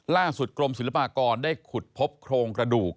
กรมศิลปากรได้ขุดพบโครงกระดูก